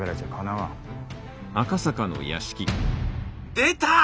出た！